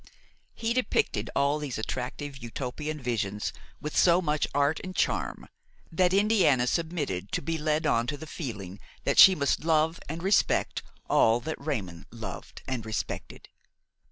he depicted all these attractive Utopian visions with so much art and charm that Indiana submitted to be led on to the feeling that she must love and respect all that Raymon loved and respected.